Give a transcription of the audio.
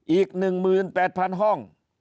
อีก๑๘๐๐๐ห้อง